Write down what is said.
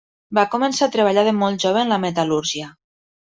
Va començar a treballar de molt jove en la metal·lúrgia.